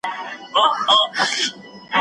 تخلیقي ادب د روڼ اندو کسانو لخوا شنل کیږي.